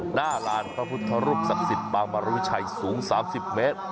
หน้าลานพระพุทธรูปศักดิ์สิทธิ์ปางมรุชัยสูง๓๐เมตร